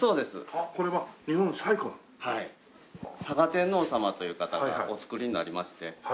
嵯峨天皇さまという方がお造りになりまして。